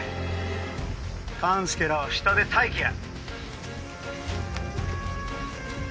「勘介らは下で待機や！」